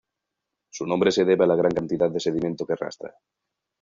Su nombre se debe a la gran cantidad de sedimento que arrastra.